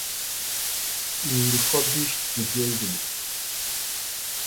He refurbished the building.